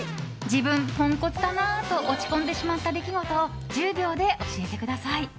自分ポンコツだなと落ち込んでしまった出来事を１０秒で教えてください。